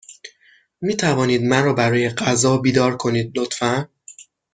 می توانید مرا برای غذا بیدار کنید، لطفا؟